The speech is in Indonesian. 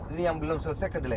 ini yang belum selesai kedelai